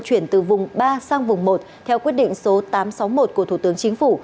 chuyển từ vùng ba sang vùng một theo quyết định số tám trăm sáu mươi một của thủ tướng chính phủ